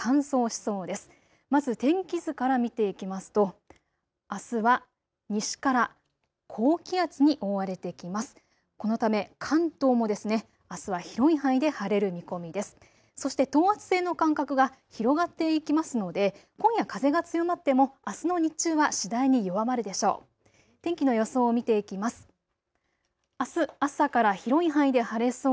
そして等圧線の間隔が広がっていきますので今夜、風が強まってもあすの日中は次第に弱まるでしょう。